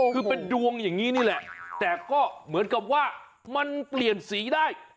คือเป็นดวงอย่างนี้นี่แหละแต่ก็เหมือนกับว่ามันเปลี่ยนสีได้